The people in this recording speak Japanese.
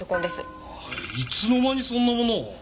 いつの間にそんなものを？